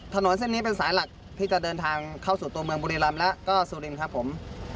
ถนนเส้นนี้เป็นสายหลักที่จะเดินทางเข้าสู่ตัวเมืองบุรีรำแล้วก็สุรินครับผม